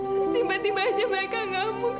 terus tiba tiba aja mereka ngomong